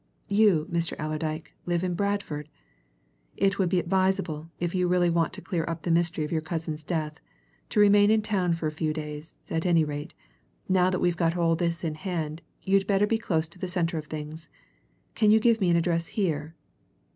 You, Mr. Allerdyke, live in Bradford? It will be advisable, if you really want to clear up the mystery of your cousin's death, to remain in town for a few days, at any rate now that we've got all this in hand, you'd better be close to the centre of things. Can you give me an address here?"